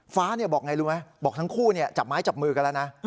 ฟ้าบอกไงรู้ไหมบอกทั้งคู่จับไม้จับมือกันแล้วนะ